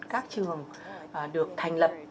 các trường được thành lập